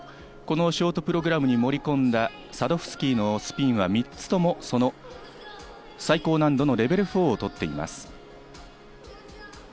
４、このショートプログラムに盛り込んだサドフスキーのスピンは３つともその最高難度のレベル４を取っています。